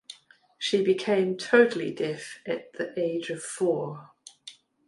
She became totally deaf at the age of four.